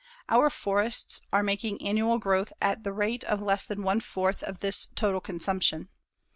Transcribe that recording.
Our forests are making annual growth at the rate of less than one fourth of this total consumption.